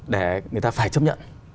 để người ta phải chấp nhận